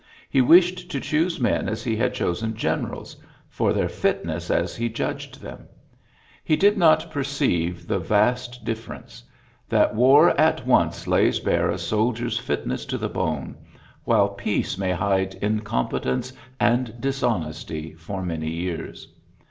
He wished to choose men as he had chosen ' generals — for their fitness as he judged I i ULYSSES S. GEAKT 135 He did not perceive the vast ence : that war at once lays bare dier's fitness to the bone, while > may hide incompetence and dis ;ty for many years.